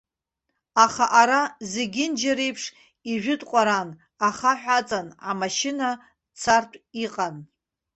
Аха, ара, зегьынџьареиԥш, ижәытә ҟәаран, ахаҳә аҵан, амашьына цартә иҟан.